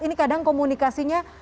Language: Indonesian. ini kadang komunikasinya